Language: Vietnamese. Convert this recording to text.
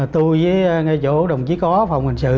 tôi với chỗ đồng chí có phòng hành sự